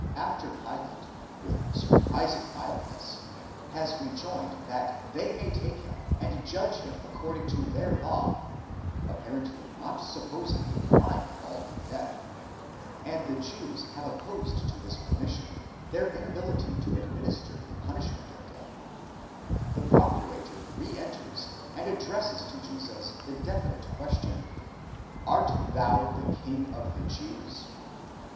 After Pilate, with surprising mildness, has rejoined that they may take him and judge him according to their law— apparently not supposing a crime involving death—and the Jews have opposed to this permission their inability to administer the punishment of death: the procurator re enters and addresses to Jesus the definite question: Art thou the king of the Jews?